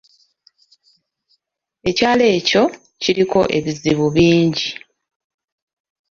Ekyalo ekyo kiriko ebizibu bingi.